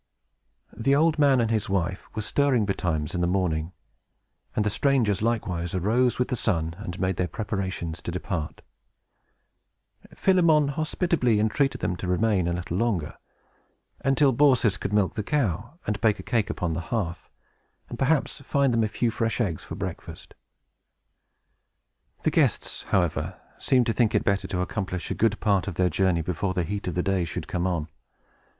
The old man and his wife were stirring betimes in the morning, and the strangers likewise arose with the sun, and made their preparations to depart. Philemon hospitably entreated them to remain a little longer, until Baucis could milk the cow, and bake a cake upon the hearth, and, perhaps, find them a few fresh eggs, for breakfast. The guests, however, seemed to think it better to accomplish a good part of their journey before the heat of the day should come on.